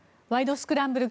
スクランブル」